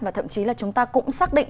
và thậm chí là chúng ta cũng xác định